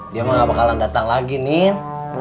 dia mah gak bakalan datang lagi nih